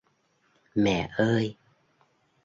Mẹ ơi